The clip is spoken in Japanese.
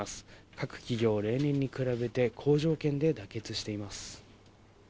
各企業、例年に比べて好条件で妥結しています。